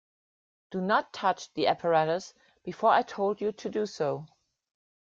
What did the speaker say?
Do not touch the apparatus before I told you to do so.